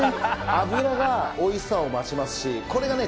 脂が美味しさを増しますしこれがね